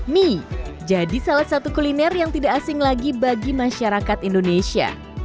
mie jadi salah satu kuliner yang tidak asing lagi bagi masyarakat indonesia